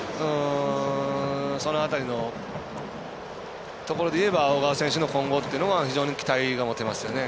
その辺りのところでいえば小川選手の今後っていうのは非常に期待持てますよね。